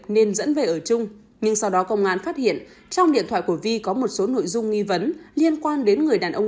nên dẫn về ở chung nhưng sau đó công an phát hiện trong điện thoại của vi có một số nội dung nghi vấn liên quan đến người đàn ông